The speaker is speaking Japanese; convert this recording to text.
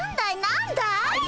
なんだい？